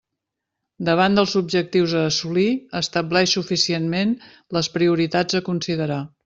Davant dels objectius a assolir, estableix suficientment les prioritats a considerar.